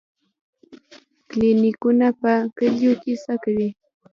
کلینیکونه په کلیو کې څه کوي؟